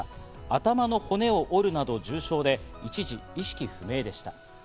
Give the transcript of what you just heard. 頭の骨を折るなど重傷で、一時、意識不明でした。